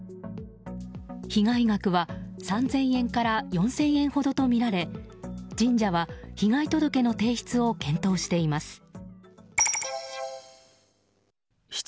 被害額は３０００円から４０００円ほどとみられ神社は被害届の提出を検討しています。